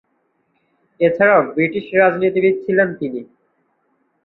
এছাড়াও, ব্রিটিশ রাজনীতিবিদ ছিলেন তিনি।